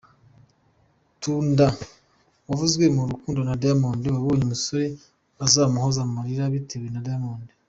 Tunda wavuzwe mu rukundo na Diamond yabonye umusore uzamuhoza amarira yatewe na Diamond.